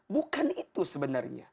bukan itu sebenarnya